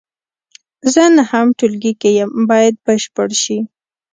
زه نهم ټولګي کې یم باید بشپړ شي.